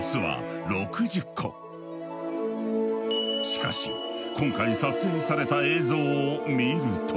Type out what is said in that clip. しかし今回撮影された映像を見ると。